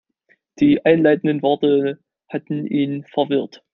Die einleitenden Worte hatten ihn verwirrt.